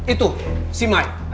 itu si mike